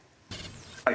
はい。